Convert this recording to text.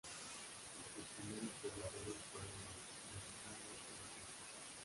Los primeros pobladores fueron los lusitanos y los celtas.